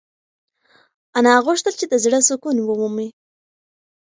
انا غوښتل چې د زړه سکون ومومي.